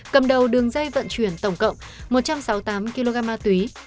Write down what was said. cầm đầu đường dây vận chuyển tổng cộng một trăm sáu mươi tám kg ma túy